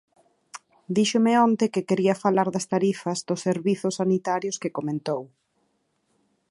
Díxome onte que quería falar das tarifas dos servizos sanitarios que comentou.